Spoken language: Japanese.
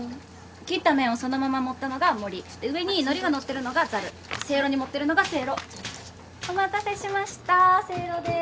切った麺をそのまま盛ったのがもり上に海苔がのってるのがざるせいろに盛ってるのがせいろお待たせしましたせいろです